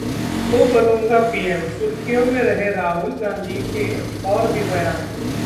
...तो बनूंगा पीएम, सुर्खियों में रहे राहुल गांधी के और भी बयान